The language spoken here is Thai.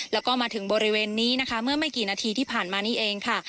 แล้วก็มาถึงบริเวณนี้นะคะเมื่อไม่กี่นาทีที่ผ่านมานี้เองค่ะ